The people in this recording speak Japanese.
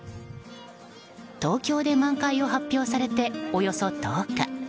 東京で満開を発表されておよそ１０日。